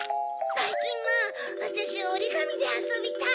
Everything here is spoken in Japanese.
ばいきんまんわたしおりがみであそびたい！